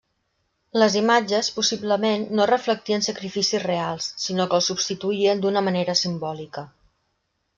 Les imatges, possiblement, no reflectien sacrificis reals, sinó que els substituïen d'una manera simbòlica.